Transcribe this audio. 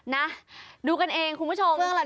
นะดูกันเองคุณผู้ชมส่งข้อความมาได้